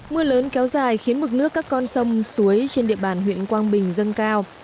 mưa lớn kéo dài khiến mực nước các con sông suối trên địa bàn huyện quang bình dâng cao